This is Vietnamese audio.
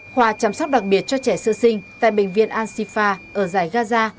khoa chăm sóc đặc biệt cho trẻ sơ sinh tại bệnh viện ansifa ở giải gaza